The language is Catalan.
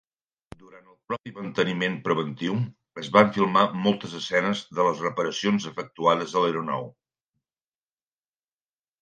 Durant el propi manteniment preventiu, es van filmar moltes escenes de les reparacions efectuades a l'aeronau.